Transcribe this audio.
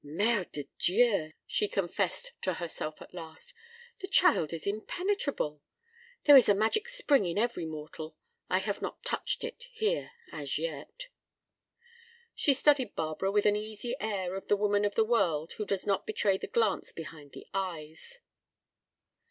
"Mère de Dieu!" she confessed to herself, at last, "the child is impenetrable. There is a magic spring in every mortal. I have not touched it—here—as yet." She studied Barbara with the easy air of the woman of the world who does not betray the glance behind the eyes.